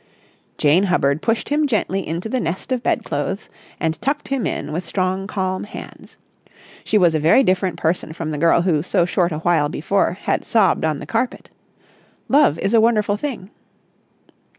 Jane Hubbard pushed him gently into the nest of bedclothes, and tucked him in with strong, calm hands. She was a very different person from the girl who so short a while before had sobbed on the carpet. Love is a wonderful thing.